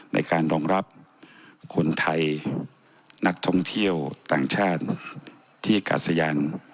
ในการรองรับคนไทยนักท่องเที่ยวต่างชาติที่อากาศยาน